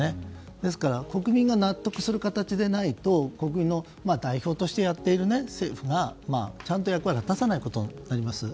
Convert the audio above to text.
ですから国民が納得する形でないと国民の代表としてやっている政府がちゃんと役割を果たさないことになります。